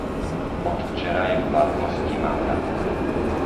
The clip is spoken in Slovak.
Od včera je v platnosti mandát.